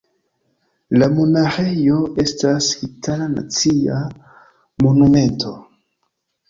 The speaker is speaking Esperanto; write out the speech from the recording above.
La monaĥejo estas itala nacia monumento.